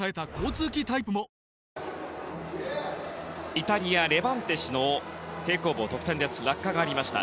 イタリアレバンテシの平行棒の得点落下がありました。